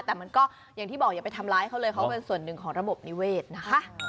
แต่มันก็อย่างที่บอกอย่าไปทำร้ายเขาเลยเขาเป็นส่วนหนึ่งของระบบนิเวศนะคะ